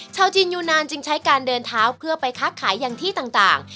ชาวจีนยูนานจึงใช้การเดินเท้าเพื่อไปค้าขายอย่างที่ต่าง